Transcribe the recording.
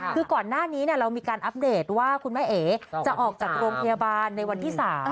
คือก่อนหน้านี้เรามีการอัปเดตว่าคุณแม่เอ๋จะออกจากโรงพยาบาลในวันที่๓